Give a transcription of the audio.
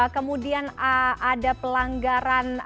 kemudian ada pelanggaran